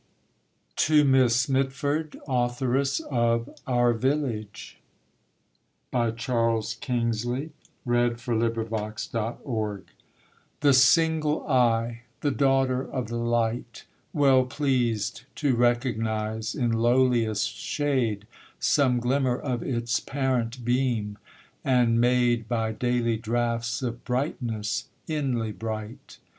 TO MISS MITFORD: AUTHORESS OF 'OUR VILLAGE' The single eye, the daughter of the light; Well pleased to recognise in lowliest shade Some glimmer of its parent beam, and made By daily draughts of brightness, inly bright.